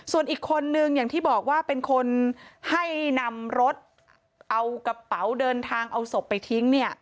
ส่วนอีกคนนึงอย่างที่บอกว่าเป็นคนให้นำรถเอากระเป๋าเดินทางเอาศพไปทิ้งเนี่ย